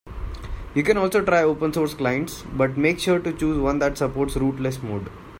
You can also try open source clients, but make sure to choose one that supports rootless mode.